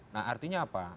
nah artinya apa